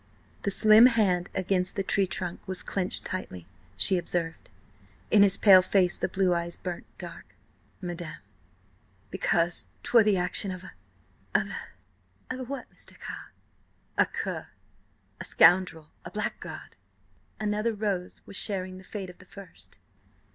The slim hand against the tree trunk was clenched tightly, she observed. In his pale face the blue eyes burnt dark. "Because, madam, 'twere the action of a—of a—" "Of a what, Mr. Carr?" "A cur! A scoundrel! A blackguard!" Another rose was sharing the fate of the first.